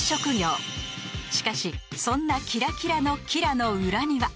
［しかしそんなキラキラのキラの裏には］